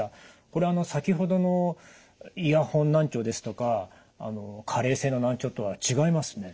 これあの先ほどのイヤホン難聴ですとか加齢性の難聴とは違いますね。